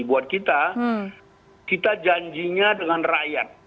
buat kita kita janjinya dengan rakyat